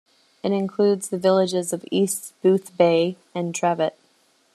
It includes the villages of East Boothbay and Trevett.